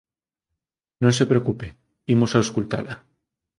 Non se preocupe, imos auscultala.